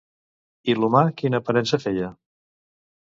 I l'humà, quina aparença feia?